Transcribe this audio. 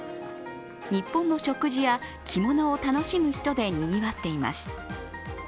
日本の食事や着物を楽しむ人でにぎわっています。